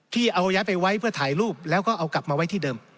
ที่เอาย้ายไปไว้เพื่อถ่ายรูปแล้วก็เอากลับมาไว้ที่เดิม